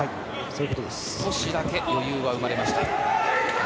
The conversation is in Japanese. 少しだけ余裕が生まれました。